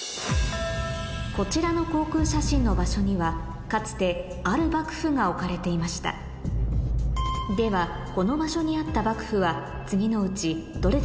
こちらの航空写真の場所にはかつてある幕府が置かれていましたではえ！